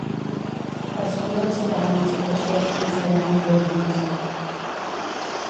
Persones es troben en situació de sense llar a Riudoms.